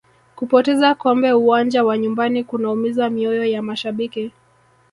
kupoteza kombe uwanja wa nyumbani kunaumiza mioyo ya mashabiki